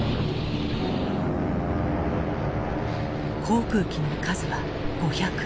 航空機の数は５００。